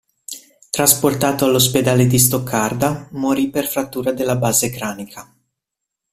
Trasportato all'ospedale di Stoccarda morì per frattura della base cranica.